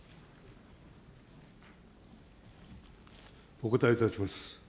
お答えいたします。